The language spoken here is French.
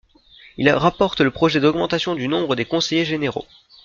Il rapporte le projet d'augmentation du nombre des conseillers généraux.